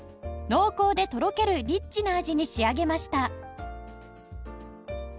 濃厚でとろけるリッチな味に仕上げました